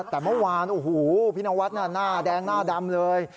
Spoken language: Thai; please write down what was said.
แต่เมื่อวานพี่นวัฒน์หน้าแดงหน้าดำเลย